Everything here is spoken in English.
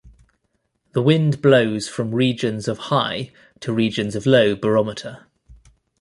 The wind blows from regions of high to regions of low barometer.